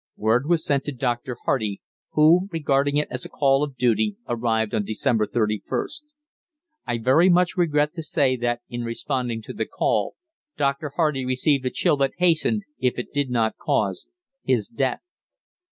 Word was sent to Dr. Hardy, who, regarding it as a call of duty, arrived on December 31st. I very much regret to say, that in responding to the call, Dr. Hardy received a chill that hastened, if it did not cause, his death.